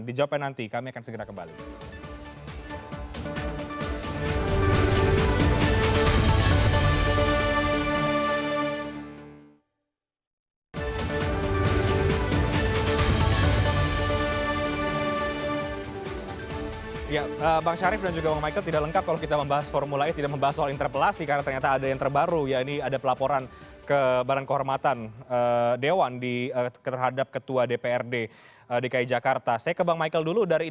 dijawabnya nanti kami akan segera kembali